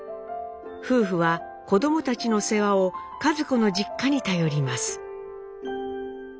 夫婦は子供たちの世話を一子の実家に頼ります。